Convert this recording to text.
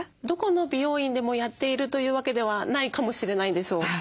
どこの美容院でもやっているという訳ではないかもしれないんですよ。